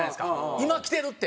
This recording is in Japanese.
今きてる！って。